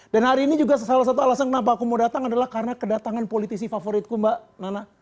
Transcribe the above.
dan hari ini juga salah satu alasan kenapa aku mau datang adalah karena kedatangan politisi favoritku mbak nana